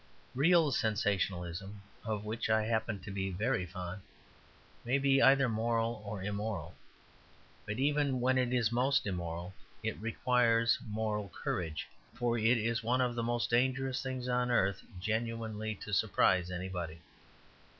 Real sensationalism, of which I happen to be very fond, may be either moral or immoral. But even when it is most immoral, it requires moral courage. For it is one of the most dangerous things on earth genuinely to surprise anybody.